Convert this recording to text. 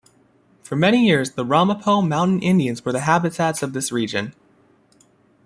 For many years the Ramapough Mountain Indians were the habitats of this region.